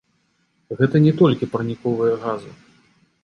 Гэта не толькі парніковыя газы.